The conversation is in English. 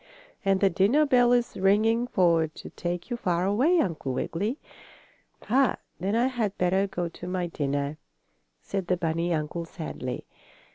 And the dinner bell is ringing for to take you far away, Uncle Wiggily." "Ah, then I had better go to my dinner," said the bunny uncle, sadly.